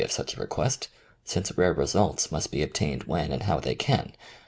of such a request, since rare results must be obtained when and how they can.